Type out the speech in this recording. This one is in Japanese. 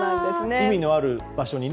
意味のある場所にね。